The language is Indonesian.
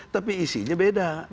tapi isinya beda